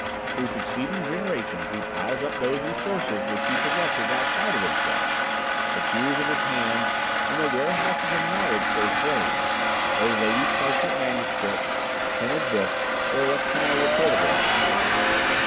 Through succeeding generations he piles up those resources which he possesses outside of himself, the tools of his hands, and the warehouses of knowledge for his brain, whether they be parchment manuscripts, printed book, or electronorecordographs.